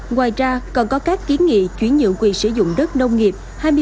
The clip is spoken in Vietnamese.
ngoài ra còn có các kiến nghị chuyển nhượng quyền sử dụng đất nông nghiệp